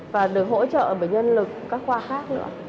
và được hỗ trợ bởi nhân lực các khoa khác nữa